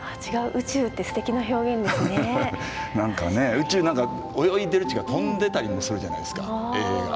宇宙何か泳いでるっていうか飛んでたりもするじゃないですかエイが。